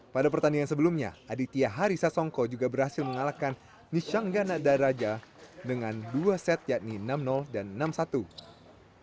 pada hari sebelumnya ganda indonesia christopher rungkat suhu wahyu trijati menang atas ganda sri lanka harsana godamanan yashita del silva